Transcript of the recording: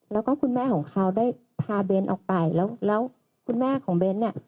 แล้วก็คุณแม่ของเขาได้พาเบ้นออกไปแล้วแล้วคุณแม่ของเบ้นเนี่ย